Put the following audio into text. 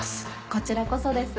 こちらこそです。